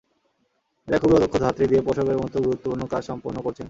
এঁরা খুবই অদক্ষ ধাত্রী দিয়ে প্রসবের মতো গুরুত্বপূর্ণ কাজ সম্পন্ন করছেন।